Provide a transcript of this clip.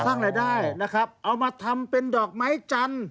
สร้างรายได้นะครับเอามาทำเป็นดอกไม้จันทร์